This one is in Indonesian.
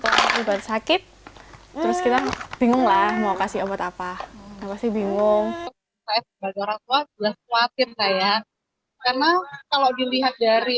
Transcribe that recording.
terlalu sakit terus kita bingung lah mau kasih obat apa pasti bingung karena kalau dilihat dari